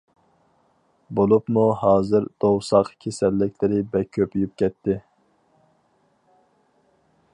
بولۇپمۇ ھازىر دوۋساق كېسەللىكلىرى بەك كۆپىيىپ كەتتى.